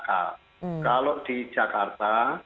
kalau di jakarta